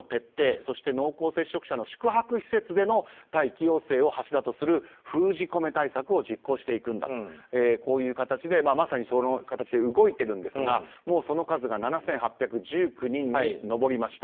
そして、濃厚接触者の宿泊施設での待機要請を柱とする封じ込め対策を実行していくんだとこういう形でまさに動いているんですがもう、その数が７８１９人に上りました。